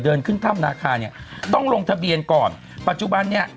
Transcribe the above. เดินขึ้นถ้ำนาคาเนี่ยต้องลงทะเบียนก่อนปัจจุบันเนี่ย